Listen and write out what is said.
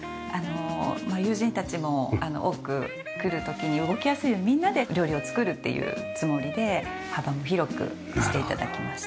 友人たちも多く来る時に動きやすいようにみんなで料理を作るっていうつもりで幅も広くして頂きました。